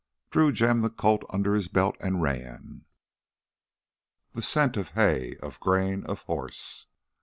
Drew jammed the Colt under his belt and ran. The scent of hay, of grain, of horse....